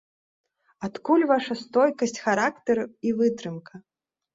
Адкуль ваша стойкасць характару і вытрымка?